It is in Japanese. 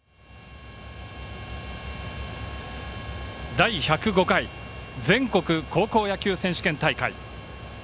第１０５回全国高校野球選手権大会。